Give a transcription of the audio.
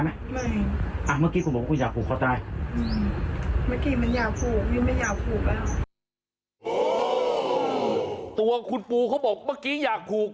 ตัวคุณปูเขาบอกเมื่อกี้อยากผูก